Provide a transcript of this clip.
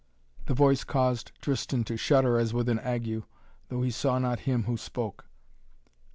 The voice caused Tristan to shudder as with an ague, though he saw not him who spoke.